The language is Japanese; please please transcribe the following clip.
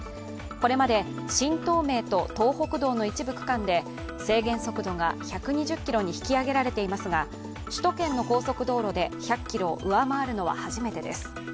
これまで新東名と東北道の一部区間で制限速度が１２０キロに引き上げられていますが首都圏の高速道路で１００キロを上回るのは初めてです。